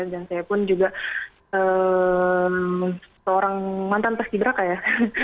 dan saya pun juga seorang mantan peskidra kayak